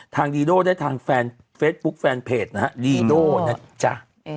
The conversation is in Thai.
ทางดีโด้ได้ทางเฟสบุ๊คแฟนเพจนะฮะดีโด้นะจ๊ะ